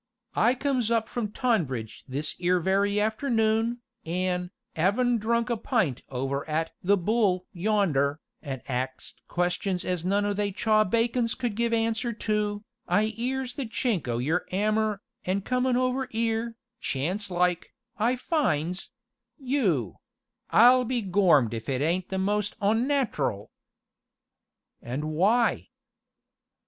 "I comes up from Tonbridge this 'ere very afternoon, an', 'avin' drunk a pint over at 'The Bull' yonder, an' axed questions as none o' they chawbacons could give a answer to, I 'ears the chink o' your 'ammer, an' comin' over 'ere, chance like, I finds you; I'll be gormed if it ain't a'most onnat'ral!" "And why?"